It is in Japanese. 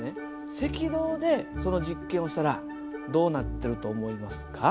赤道でその実験をしたらどうなってると思いますか？